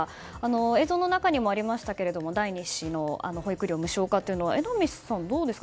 映像の中にもありましたけれども第２子の保育料無料化は榎並さん、どうですか？